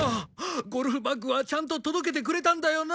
ゴルフバッグはちゃんと届けてくれたんだよな？